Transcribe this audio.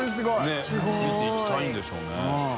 佑ついていきたいんでしょうねうん。